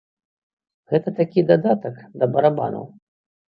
Гэта такі дадатак да барабанаў.